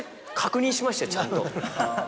しましたよちゃんと。